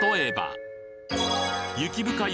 雪深い